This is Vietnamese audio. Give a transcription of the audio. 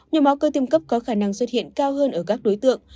nhồi máu cơ tim cấp có khả năng xuất hiện cao hơn ở các đối tượng